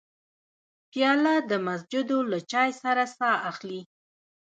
پیاله د مسجدو له چای سره ساه اخلي.